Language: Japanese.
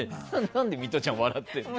何でミトちゃん笑ってるの。